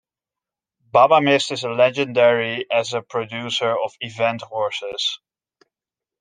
Babamist is legendary as a producer of event horses.